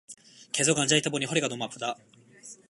계속 앉아있다 보니 허리가 너무 아프다.